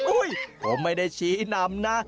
ผมไม่ได้ชี้นำนะ